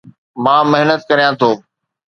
مان محنت ڪريان ٿو